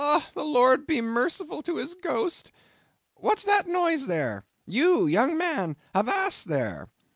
The Lord be merciful to his ghost! What's that noise there? You, young man, avast there!"